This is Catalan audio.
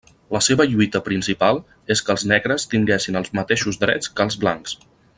La seva lluita principal és que els negres tinguessin els mateixos drets que els blancs.